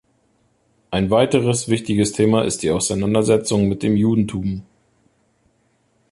Ein weiteres wichtiges Thema ist die Auseinandersetzung mit dem Judentum.